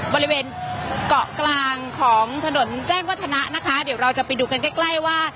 บริเวณเกาะกลางของถนนแจ้งวัฒนะนะคะเดี๋ยวเราจะไปดูกันใกล้ใกล้ว่า